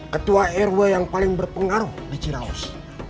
ketua rw yang paling berpengaruh di ciraus